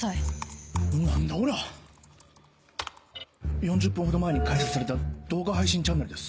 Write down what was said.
４０分ほど前に開設された動画配信チャンネルです。